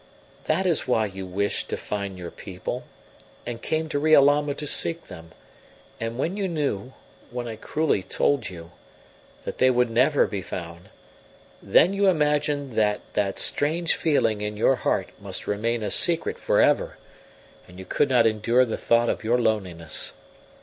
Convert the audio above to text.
That is why you wished to find your people, and came to Riolama to seek them; and when you knew when I cruelly told you that they would never be found, then you imagined that that strange feeling in your heart must remain a secret for ever, and you could not endure the thought of your loneliness.